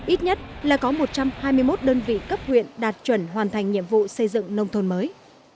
ít nhất là có một trăm hai mươi một đơn vị cấp huyện đạt chuẩn hoàn thành nhiệm vụ xây dựng nông thôn mới